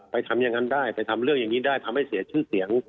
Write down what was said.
ทำอย่างนั้นได้ไปทำเรื่องอย่างนี้ได้ทำให้เสียชื่อเสียง